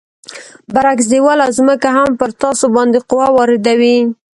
برعکس دیوال او ځمکه هم پر تاسو باندې قوه واردوي.